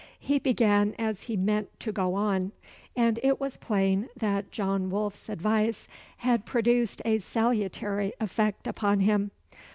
He began as he meant to go on; and it was plain that John Wolfe's advice had produced a salutary effect upon him.